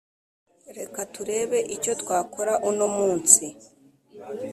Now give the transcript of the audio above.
Reka turebe icyotwakora uno munsi